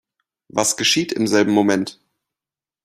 Was geschieht im selben Moment?